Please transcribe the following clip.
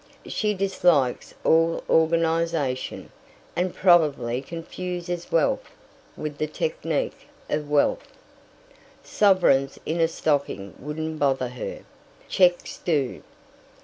She dislikes all organization, and probably confuses wealth with the technique of wealth. Sovereigns in a stocking wouldn't bother her; cheques do.